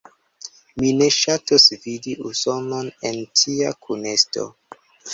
Mi ne ŝatus vidi Usonon en tia kunesto.